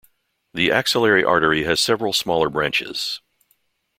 The axillary artery has several smaller branches.